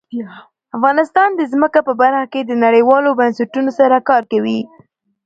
افغانستان د ځمکه په برخه کې له نړیوالو بنسټونو سره کار کوي.